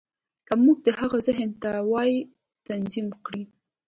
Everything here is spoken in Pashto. که موږ د هغه ذهن نه وای تنظيم کړی.